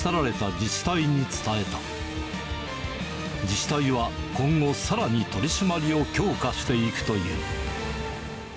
自治体は今後、さらに取締りを強化していくという。